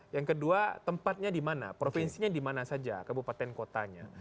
yang kedua tempatnya di mana provinsinya di mana saja kabupaten kotanya